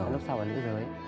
lúc sau là lúc sáu